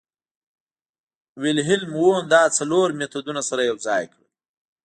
ویلهیلم وونت دا څلور مېتودونه سره یوځای کړل